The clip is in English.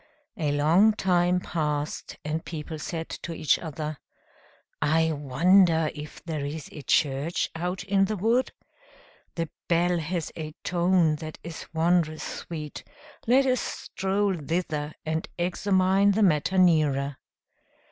A long time passed, and people said to each other "I wonder if there is a church out in the wood? The bell has a tone that is wondrous sweet; let us stroll thither, and examine the matter nearer."